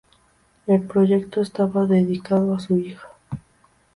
El proyecto estaba dedicado a su hija.